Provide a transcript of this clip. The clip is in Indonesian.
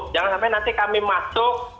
jangan sampai nanti kami masuk